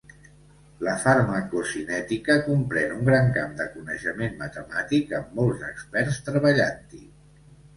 La farmacocinètica comprèn un gran camp de coneixement matemàtic amb molts experts treballant-hi.